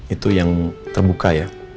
itu yang terbuka ya